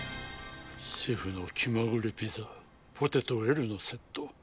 シェフの気まぐれピザポテトＬのセット。